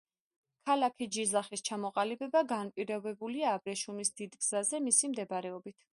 ქალაქი ჯიზახის ჩამოყალიბება განპირობებულია აბრეშუმის დიდ გზაზე მისი მდებარეობით.